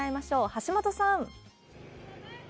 橋本さん。